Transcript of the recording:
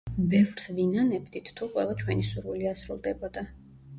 ბევრს ვინანებდით თუ ყველა ჩვენი სურვილი ასრულდებოდა.